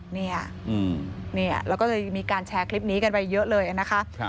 เนี่ยแล้วก็เลยมีการแชร์คลิปนี้กันไปเยอะเลยนะคะ